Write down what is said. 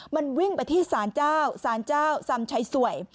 มันวิ่งไปที่สารเจ้าสารเจ้าซำชัยสวย